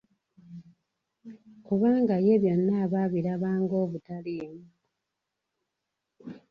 Kubanga ye byonna aba abiraba ng'obutaliimu.